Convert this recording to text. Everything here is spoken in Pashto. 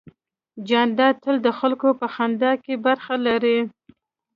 جانداد تل د خلکو په خندا کې برخه لري.